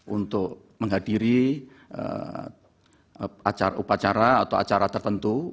untuk menghadiri acara upacara atau acara tertentu